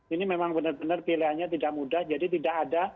ini memang benar benar pilihannya tidak mudah jadi tidak ada